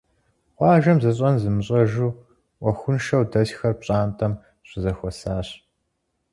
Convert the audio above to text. Къуажэм зыщӀэн зымыщӀэжу, Ӏуэхуншэу дэсхэр пщӀантӀэм щызэхуэсащ.